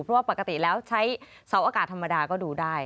เพราะว่าปกติแล้วใช้เสาอากาศธรรมดาก็ดูได้